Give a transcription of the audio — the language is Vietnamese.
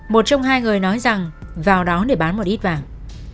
một trong hai người nói rằng vào đó để bán một ít vàng